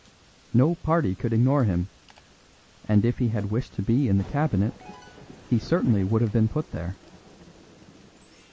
No party could ignore him, and if he had wished to be in the Cabinet he certainly would have been put there.